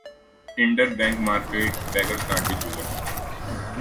inter bank market